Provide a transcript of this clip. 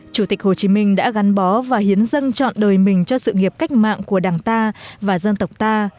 chủ tịch hồ chí minh đã gắn bó và hiến dân chọn đời mình cho sự nghiệp cách mạng của đảng ta và dân tộc ta